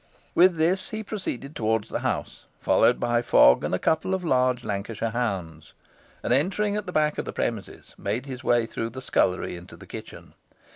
With this, he proceeded towards the house, followed by Fogg and a couple of large Lancashire hounds, and, entering at the back of the premises, made his way through the scullery into the kitchen.